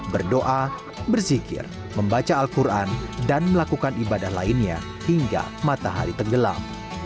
berdoa berzikir membaca al quran dan melakukan ibadah lainnya hingga matahari tenggelam